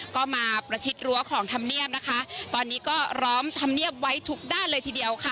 ก็มาประชิดรั้วของธรรมเนียบนะคะตอนนี้ก็ล้อมธรรมเนียบไว้ทุกด้านเลยทีเดียวค่ะ